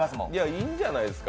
いいんじゃないですか？